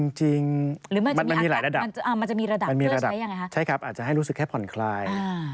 ยาจริงมันมีหลายระดับใช่ครับอาจจะให้รู้สึกแค่ผ่อนคลาย